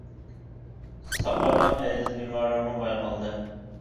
ساقايغان ئەيدىز بىمارلىرىمۇ بايقالدى.